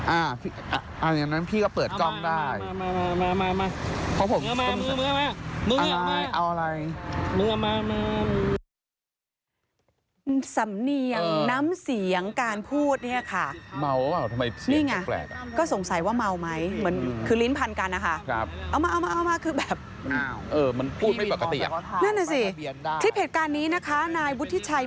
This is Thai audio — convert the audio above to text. อ้าวพี่มีมอเซคอลไทยป้ายทะเบียนได้